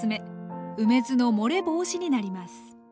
梅酢の漏れ防止になります